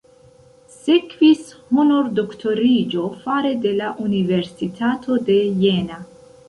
Sekvis honordoktoriĝo fare de la Universitato de Jena.